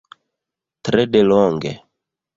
Tre delonge.